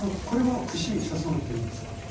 これは串刺さなくていいんですか？